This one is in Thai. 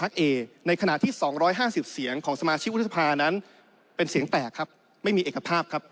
รัฐสภาพนั้นเป็นเสียงแตกครับไม่มีเอกภาพครับ